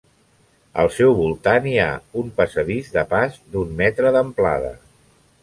Al seu voltant hi ha un passadís de pas d'un metre d'amplada.